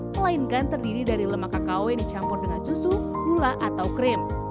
melainkan terdiri dari lemak kakao yang dicampur dengan susu gula atau krim